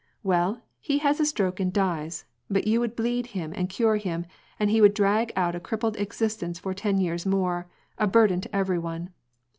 Well, he has a stroke and dies, but you would bleed him and cure him, and he would drag out a crippled existence for ten years more, a burden to every one.